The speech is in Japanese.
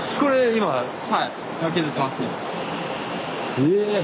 え。